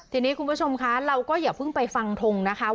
ทีนี้คุณผู้ชมคะเราก็อย่าเพิ่งไปฟังทงนะคะ